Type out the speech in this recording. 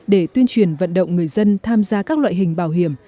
để tuyên truyền vận động người dân tham gia các loại hình bảo hiểm